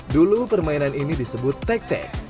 dulu permainan ini disebut tek tek